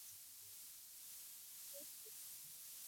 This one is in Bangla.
ওডিআই উইকেট লাভের দিক দিয়ে যে-কোন মহিলা ক্রিকেটারের পক্ষে সর্বোচ্চ।